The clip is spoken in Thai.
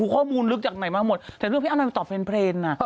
ข้อมูลลึกจากไหนมาหมดแต่เรื่องพี่อนัยมาตอบเรนอ่ะ